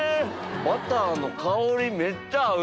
バターの香りめっちゃ合う！